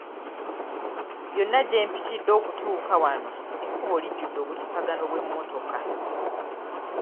Yonna gye mpitidde okutuuka wano ekkubo lijjudde obulipagano bw'emmotoka.